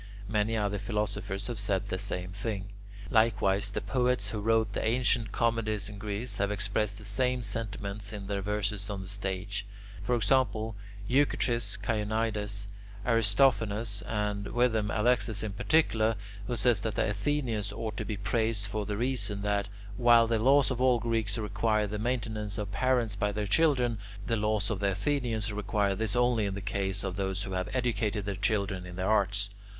Many other philosophers have said the same thing. Likewise the poets who wrote the ancient comedies in Greek have expressed the same sentiments in their verses on the stage: for example, Eucrates, Chionides, Aristophanes, and with them Alexis in particular, who says that the Athenians ought to be praised for the reason that, while the laws of all Greeks require the maintenance of parents by their children, the laws of the Athenians require this only in the case of those who have educated their children in the arts.